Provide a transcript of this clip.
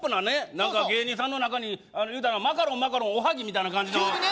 何か芸人さんの中にそうそうあの言うたらマカロンマカロンおはぎみたいな感じの急にね